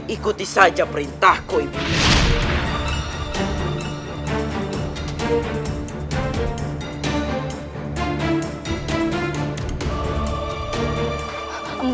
ikuti saja perintahku ibu